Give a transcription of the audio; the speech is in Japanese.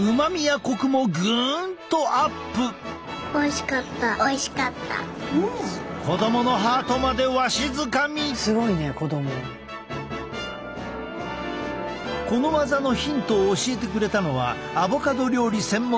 この技のヒントを教えてくれたのはアボカド料理専門店の佐藤さん夫妻。